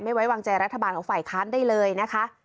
ไว้วางใจรัฐบาลของฝ่ายค้านได้เลยนะคะ